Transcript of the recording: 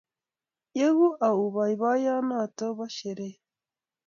Yegu au boiboiyet notok nebo sherehe